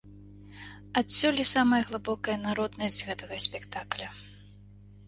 Адсюль і самая глыбокая народнасць гэтага спектакля.